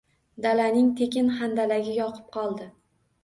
– Dalaning tekin handalagi yoqib qoldi